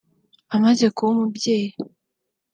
amaze kuba umubyeyi